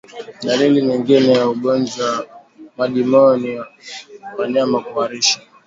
Dalili nyingine ya ugonjwa wa majimoyo ni wanyama kuharisha